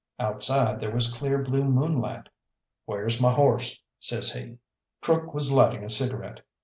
Outside there was clear blue moonlight. "Where's my horse?" says he. Crook was lighting a cigarette.